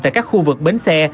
tại các khu vực bến xe